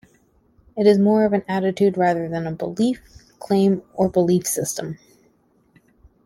It is more of an attitude rather than a belief, claim or belief system.